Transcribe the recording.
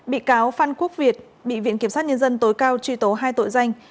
bị cáo phan quốc việt bị viện kiểm sát nhân dân tối cao truy tố hai tội danh